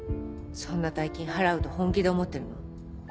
そんな大金払うと本気で思ってるの？